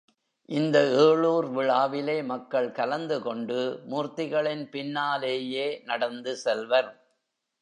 இந்த ஏழூர் விழாவிலே மக்கள்கலந்து கொண்டு மூர்த்திகளின் பின்னாலேயே நடந்து செல்வர்.